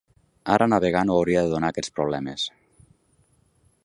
Ara navegar no hauria de donar aquests problemes.